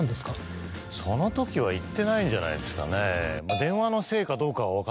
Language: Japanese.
その時はいってないんじゃないですかね。